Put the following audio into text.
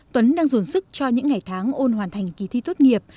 tuấn đang dồn sức cho những ngày tháng ôn hoàn thành kỳ thi tốt nghiệp